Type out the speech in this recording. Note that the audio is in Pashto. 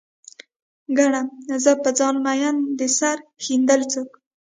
ګڼه، زه په ځان مين د سر ښندل څوک